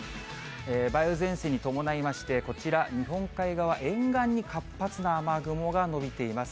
梅雨前線に伴いまして、こちら日本海側、沿岸に活発な雨雲が延びています。